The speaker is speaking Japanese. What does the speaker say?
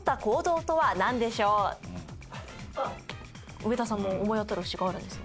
上田さんも思い当たる節があるんですね。